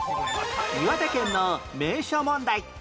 岩手県の名所問題